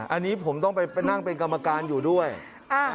อันนี้ผมต้องไปนั่งเป็นกรรมการอยู่ด้วยอ่า